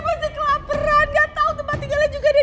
masih dia menderita di luar sana